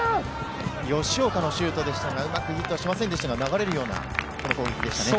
吉岡のシュートでしたが、うまくヒットしませんでしたが、流れるような攻撃でしたね。